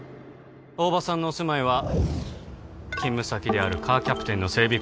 大庭さんのお住まいは勤務先であるカーキャプテンの整備